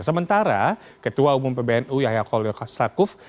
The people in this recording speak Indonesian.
sementara ketua umum pbnu yahya kolil kostakuf